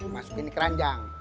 masukin di keranjang